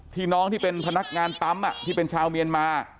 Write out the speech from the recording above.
น้องที่เป็นพนักงานปั๊มที่เป็นชาวเมียนมา